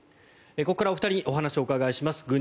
ここからお二人にお話を伺います。